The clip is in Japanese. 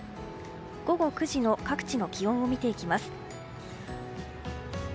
午後９時の各地の気温を見ていきます。